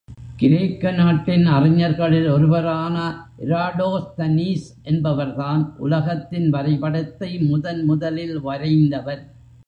கிரேக்க நாட்டின் அறிஞர்களில் ஒருவரான இராடோஸ்தனீஸ் என்பவர்தான், உலகத்தின் வரைபடத்தை முதன் முதலில் வரைந்தவர்.